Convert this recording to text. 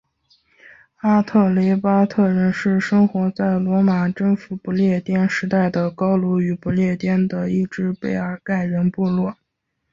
阿特雷巴特人是生活在罗马征服不列颠时代的高卢与不列颠的一只贝尔盖人部落。